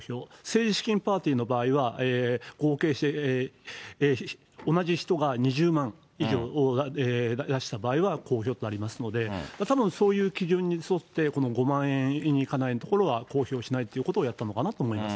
政治資金パーティーの場合は合計して同じ人が２０万以上を出した場合は公表となりますので、たぶんそういう基準に沿って、この５万円にいかないところは公表しないってことをやったのかな